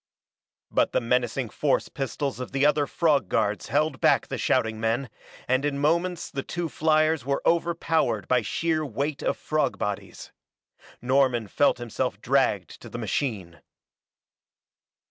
But the menacing force pistols of the other frog guards held back the shouting men and in moments the two fliers were overpowered by sheer weight of frog bodies. Norman felt himself dragged to the machine.